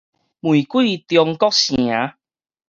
玫瑰中國城